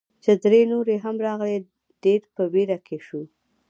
چې درې نورې هم راغلې، ډېر په ویره کې شوو.